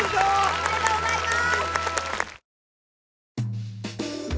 おめでとうございます！